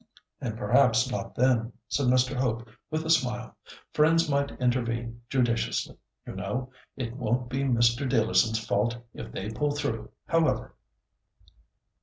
"And perhaps not then," said Mr. Hope, with a smile. "Friends might intervene judiciously, you know. It won't be Mr. Dealerson's fault if they pull through, however."